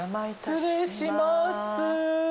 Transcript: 失礼します。